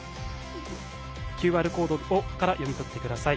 ＱＲコードから読み取ってください。